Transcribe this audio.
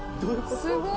すごい！